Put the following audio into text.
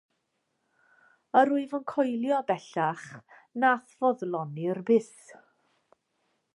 Yr wyf yn coelio, bellach, na'th foddlonir byth.